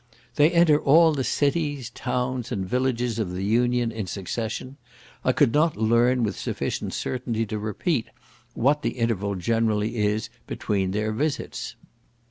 They enter all the cities, towns, and villages of the Union, in succession; I could not learn with sufficient certainty to repeat, what the interval generally is between their visits.